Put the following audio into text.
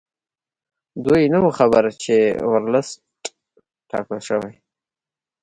دوی نه وو خبر چې ورلسټ ټاکل شوی.